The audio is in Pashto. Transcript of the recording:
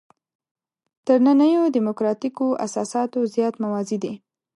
تر نننیو دیموکراتیکو اساساتو زیات موازي دي.